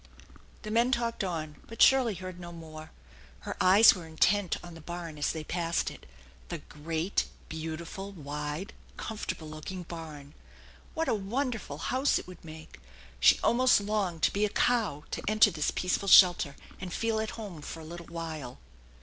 The men talked on, but Shirley heard no more. Her eyes were intent on the barn as they passed it the great, beau tiful, wide, comfortable looking barn. What a wonderful house it would make ! She almost longed to be a cow to enter this peaceful shelter and feel at home for a little while.